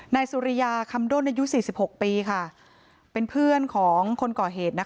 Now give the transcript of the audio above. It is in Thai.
นายสุริยาคำด้นอายุ๔๖ปีค่ะเป็นเพื่อนของคนก่อเหตุนะคะ